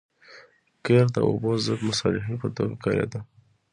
قیر د اوبو ضد مصالحې په توګه کارېده